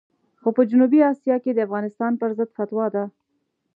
خو په جنوبي اسیا کې د افغانستان پرضد فتوا ده.